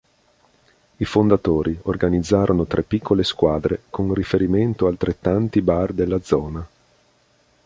I fondatori organizzarono tre piccole squadre, con riferimento altrettanti bar della zona.